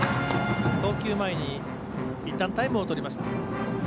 投球前にいったんタイムをとりました。